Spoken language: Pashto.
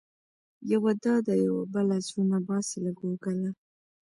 یوه دا ده يوه بله، زړونه باسې له ګوګله